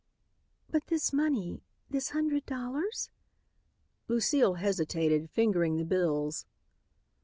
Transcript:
"But this money, this hundred dollars?" Lucile hesitated, fingering the bills.